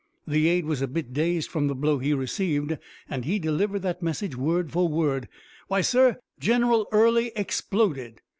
The aide was a bit dazed from the blow he received and he delivered that message word for word. Why, sir, General Early exploded.